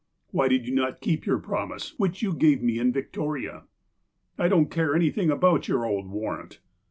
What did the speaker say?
"Why did you not keep your promise, which you gave me in Victoria ?"'' I don't care anything about your old warrant."